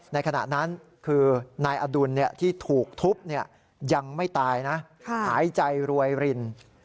ขณะนั้นคือนายอดุลที่ถูกทุบยังไม่ตายนะหายใจรวยริน